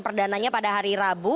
perdananya pada hari rabu